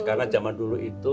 karena zaman dulu itu